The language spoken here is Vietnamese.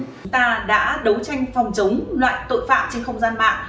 chúng ta đã đấu tranh phòng chống loại tội phạm trên không gian mạng